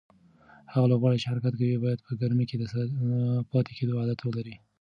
هغه لوبغاړي چې کرکټ کوي باید په ګرمۍ کې د پاتې کېدو عادت ولري.